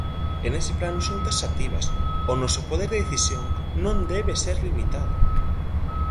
E nese plano son taxativas, "o noso poder de decisión, non debe ser limitado".